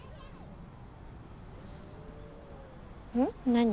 何？